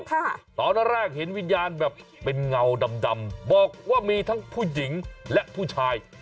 ตอนแรกเห็นวิญญาณแบบเป็นเงาดำดำบอกว่ามีทั้งผู้หญิงและผู้ชาย